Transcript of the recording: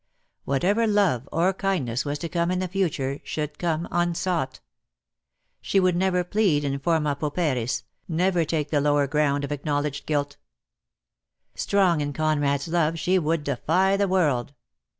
Whatever love or kindness was to come in the future should come unsought. She would never plead m /orma pauperis, never take the lower ground of acknowledged guilt. Strong in Conrad's love she would defy the world.